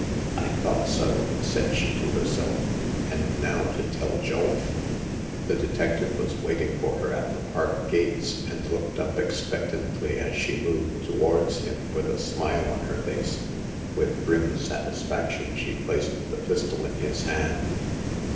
" I thought so !" said she to herself ; "and now to tell Julf !" The detective was waiting for her at the park gates, and looked up expectantly as she moved towards him with a smile on her face. With grim satisfaction she placed the pistol in his hand.